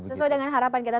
sesuai dengan harapan kita